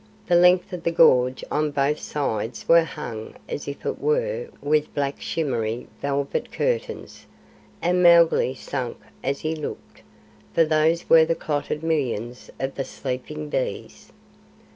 The length of the gorge on both siaes was hung as it were with black shimmery velvet curtains, and Mowgli sank as he looked, for those were the clotted millions of the sleeping bees.